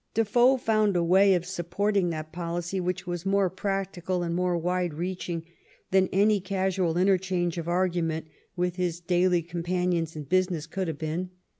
Defoe found a way of support ing that policy which was more practical and more wide reaching than any casual interchange of argument with his daily companions in business could have been.